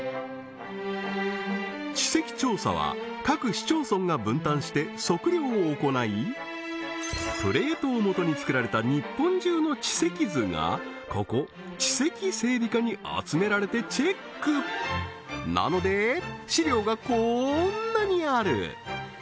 地籍調査は各市町村が分担して測量を行いプレートをもとに作られた日本中の地籍図がここ地籍整備課に集められてチェックなので資料がこんなにある